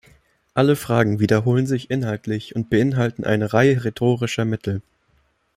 Alle Fragen wiederholen sich inhaltlich und beinhalten eine Reihe rhetorischer Mittel.